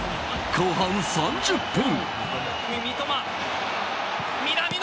後半３０分。